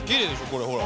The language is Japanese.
これほら。